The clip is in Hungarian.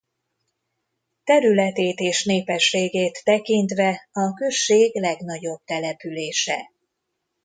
Területét és népességét tekintve a község legnagyobb települése.